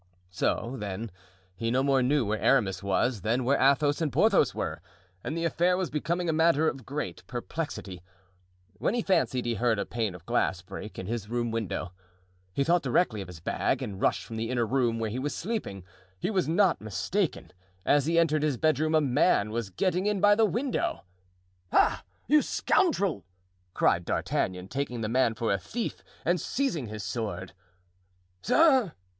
So, then, he no more knew where Aramis was than where Athos and Porthos were, and the affair was becoming a matter of great perplexity, when he fancied he heard a pane of glass break in his room window. He thought directly of his bag and rushed from the inner room where he was sleeping. He was not mistaken; as he entered his bedroom a man was getting in by the window. "Ah! you scoundrel!" cried D'Artagnan, taking the man for a thief and seizing his sword. "Sir!"